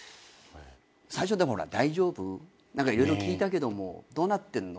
最初でもほら「大丈夫？何か色々聞いたけどもどうなってんの？